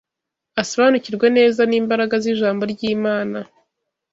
asobanukirwe neza n’imbaraga y’ijambo ry’Imana